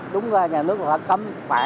đúng là nhà nước nó cấm